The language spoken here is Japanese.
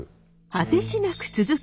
果てしなく続く